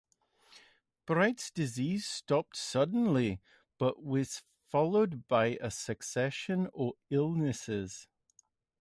Bright's disease stopped suddenly but was followed by a succession of illnesses.